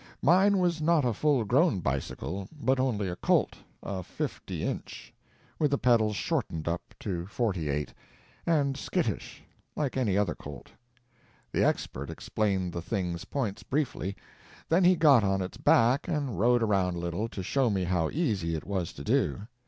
Mine was not a full grown bicycle, but only a colt—a fifty inch, with the pedals shortened up to forty eight—and skittish, like any other colt. The Expert explained the thing's points briefly, then he got on its back and rode around a little, to show me how easy it was to do.